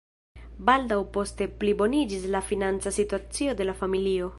Baldaŭ poste pliboniĝis la financa situacio de la familio.